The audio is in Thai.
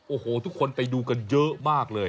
โอ้โหทุกคนไปดูกันเยอะมากเลย